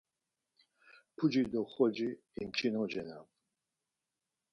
Puci do xoci imçinoceran.